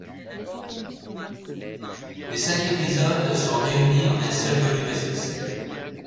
Les cinq épisodes sont réunis en un seul volume à succès.